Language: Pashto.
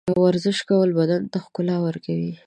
ورزش کول بدن ته ښکلا ورکوي.